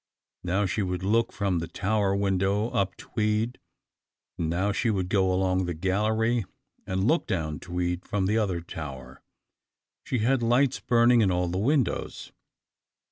Now she would look from the tower window up Tweed; and now she would go along the gallery and look down Tweed from the other tower. She had lights burning in all the windows.